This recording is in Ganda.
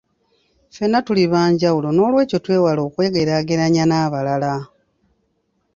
Ffenna tuli ba njawulo n'olw'ekyo twewale okwegeraageranya n'abalala.